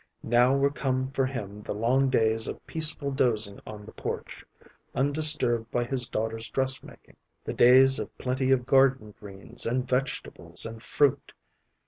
Now were come for him the long days of peaceful dozing on the porch, undisturbed by his daughter's dress making, the days of plenty of garden greens and vegetables and fruit.